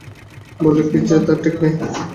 বললে, কী যে বল তার ঠিক নেই।